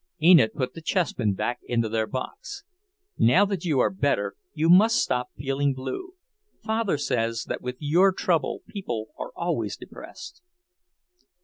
Enid put the chessmen back into their box. "Now that you are better, you must stop feeling blue. Father says that with your trouble people are always depressed."